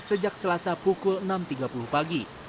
sejak selasa pukul enam tiga puluh pagi